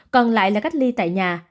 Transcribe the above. còn lại là cách ly tại nhà